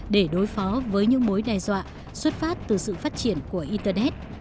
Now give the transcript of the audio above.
để đối phó với những mối đe dọa xuất phát từ sự phát triển của internet